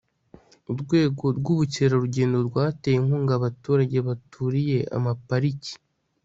urwego rw'ubukerarugendo rwateye inkunga abaturage baturiye amapariki